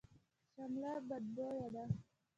شمله بدبویه ده.